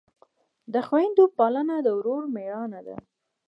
د خویندو پالنه د ورور مړانه ده.